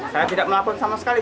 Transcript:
saya tidak melakukan sumpah pocong